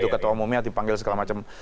ketua umumnya dipanggil segala macam